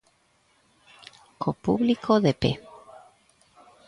Co público de pé.